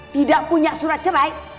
tidak punya surat cerai